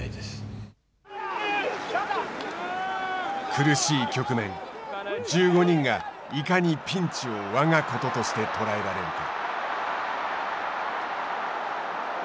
苦しい局面、１５人がいかにピンチをわがこととして捉えられるか。